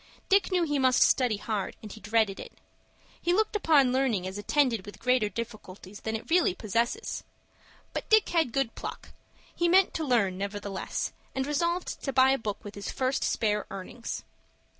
Dick knew he must study hard, and he dreaded it. He looked upon learning as attended with greater difficulties than it really possesses. But Dick had good pluck. He meant to learn, nevertheless, and resolved to buy a book with his first spare earnings.